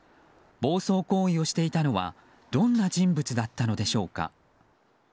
暴走行為をしていたのはどんな人物だったのでしょうか。